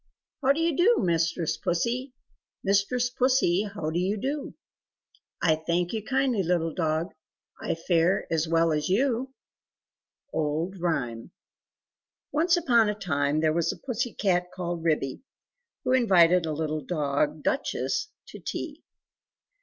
How do you do mistress Pussy? Mistress Pussy, how do you do?" "I thank you kindly, little dog, I fare as well as you!" Old Rhyme. ONCE upon a time there was a Pussy cat called Ribby, who invited a little dog called Duchess to tea.